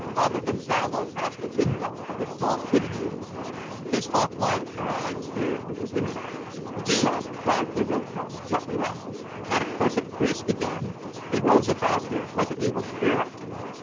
Father Gonzalo passed the window of the small sitting room. His hawklike eye peered through the window. "Dios!" cried Zorrilta, jumping up. "That accursed priest again! He roves about here like an evil spirit."